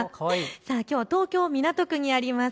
きょう東京港区にあります